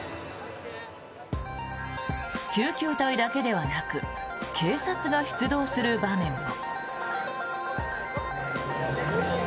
救急隊だけではなく警察が出動する場面も。